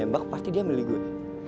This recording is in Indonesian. mbak pasti dia milih gue